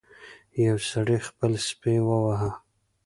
یو سړي خپل سپی وواهه.